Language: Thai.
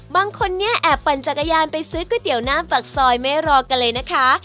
บางคนนี้แอบปั่นจักรยานไปซื้อก๋วยเตี๋ยวหน้าปากซอยไม่รอกันเลยนะคะ